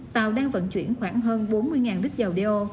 tàu đang vận chuyển khoảng hơn bốn mươi lít dầu đeo